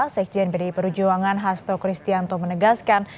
sekjen pdi perjuangan hasto kristianto menegaskan